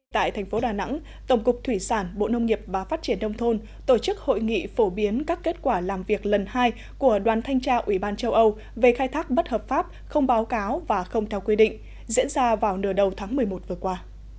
tại thành phố đà nẵng tổng cục thủy sản bộ nông nghiệp và phát triển đông thôn tổ chức hội nghị phổ biến các kết quả làm việc lần hai của đoàn thanh tra ủy ban châu âu về khai thác bất hợp pháp không báo cáo và không theo quy định diễn ra vào nửa đầu tháng một mươi một vừa qua